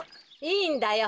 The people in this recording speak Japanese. いいんだよ。